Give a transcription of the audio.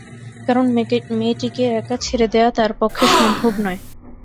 কারণ মেয়েটিকে একা ছেড়ে দেওয়া তার পক্ষে সম্ভব নয়।